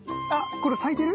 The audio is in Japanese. この咲いてる？